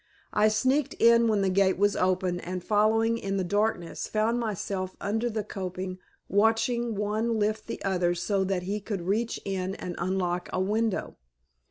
I sneaked in when the gate was opened and following in the darkness found myself under the coping watching one lift the other so that he could reach in and unlock a window.